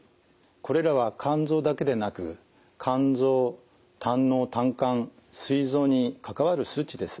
これらは肝臓だけでなく肝臓胆のう・胆管すい臓に関わる数値です。